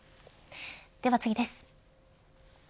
では次です。